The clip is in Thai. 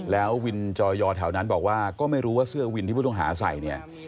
แล้ววินจอยอแถวนั้นบอกว่าก็ไม่รู้ว่าเสื้อวินที่ผู้ต้องหาใส่เนี่ย